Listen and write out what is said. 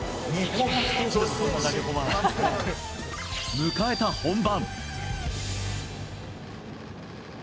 迎えた本番。